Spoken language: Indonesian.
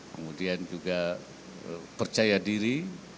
kemudian juga percaya diri